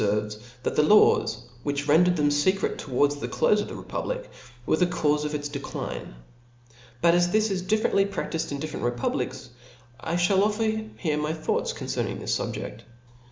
ferves.(*), that the laws f which rendered them ■^^' feeret towards the clofe of the republic, were the caufe of its. decline. But as this is differently prac tifed in different republics, I (hall offer here my thoughts concerning this fubjeft.